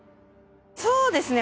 そうですね